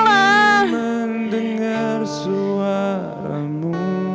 masih men dengar suaramu